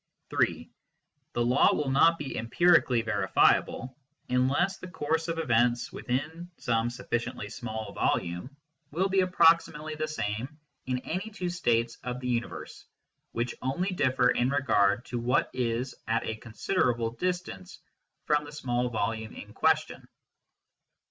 (3) The law will not be empirically verifiable unless the course of events within some sufficiently small volume 196 MYSTICISM AND LOGIC will be approximately the same in any two states of the universe which only differ in regard to what is at a con siderable distance from the small volume in question.